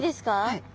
はい。